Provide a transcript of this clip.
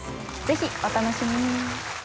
ぜひお楽しみに！